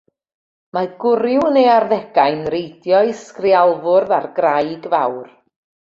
Mae gwryw yn ei arddegau'n reidio'i sgrialfwrdd ar graig fawr.